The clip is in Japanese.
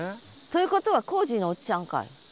ということは工事のおっちゃんかい？